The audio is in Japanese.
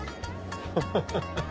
ハハハハ。